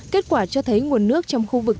kết quả cho thấy nguồn nước trong khu vực